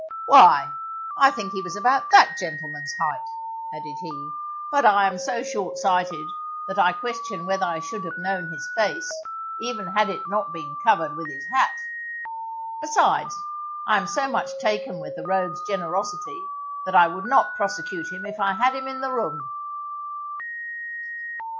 Why, I think he was about that gentleman's height, added he; _but I am so short sighted that I question whether I should have known his face, even had it not been covered with his hat. Besides I am so much taken with the rogue's generosity that I would not prosecute him if I had him in the room.